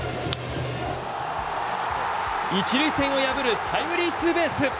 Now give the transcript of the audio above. １塁線破るタイムリーツーベース。